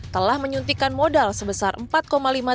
telah menyuntikkan modal sebesar empat lima triliun rupiah